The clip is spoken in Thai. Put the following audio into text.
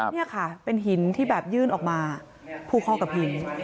นี่ค่ะเป็นหินที่แบบยื่นออกมาผูกข้อกับหิน